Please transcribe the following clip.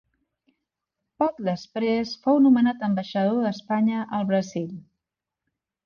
Poc després fou nomenat ambaixador d'Espanya al Brasil.